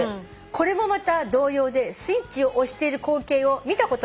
「これもまた同様でスイッチを押している光景を見たことがありません」